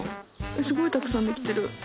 すごいたくさんできてる。